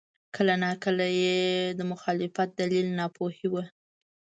کله ناکله یې د مخالفت دلیل ناپوهي وه.